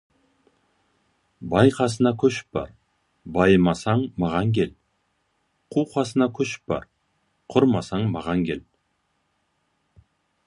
Бай қасына көшіп бар, байымасаң, маған кел, қу қасына көшіп бар, құрымасаң, маған кел.